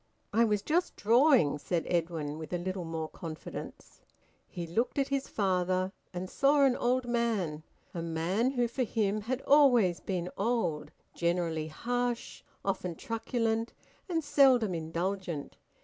"I was just drawing," said Edwin, with a little more confidence. He looked at his father and saw an old man, a man who for him had always been old, generally harsh, often truculent, and seldom indulgent.